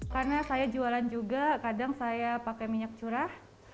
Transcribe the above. karena saya jualan juga kadang saya pakai minyak curah